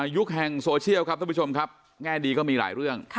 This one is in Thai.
ยุคแห่งโซเชียลครับท่านผู้ชมครับแง่ดีก็มีหลายเรื่อง